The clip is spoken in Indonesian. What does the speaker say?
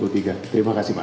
terima kasih pak